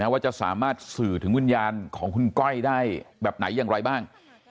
ว่าจะสามารถสื่อถึงวิญญาณของคุณก้อยได้แบบไหนอย่างไรบ้าง